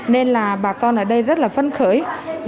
nên là bà con ở đây rất là phấn khởi